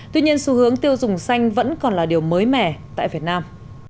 tuy nhiên xu hướng tiêu dùng xanh vẫn còn là điều mới mẻ tại việt nam